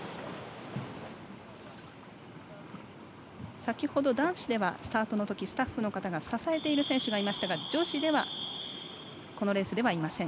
先ほど男子ではスタートのときスタッフの方が支えている選手がいましたが女子ではこのレースではいません。